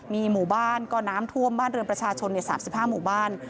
มีหมู่บ้านก็น้ำท่วมบ้านเรือนประชาชน๓๕หมู่บ้าน